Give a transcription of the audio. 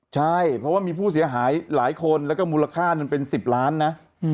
ใช่เพราะว่ามีผู้เสียหายหลายคนแล้วก็มูลค่ามันเป็น๑๐ล้านนะ